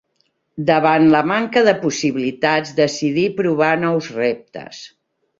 Davant la manca de possibilitats decidí provar nous reptes.